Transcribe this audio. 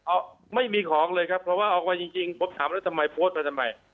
เอาไม่มีของเลยครับเพราะว่าออกมาจริงจริงผมถามแล้วทำไมโพสต์มาทำไม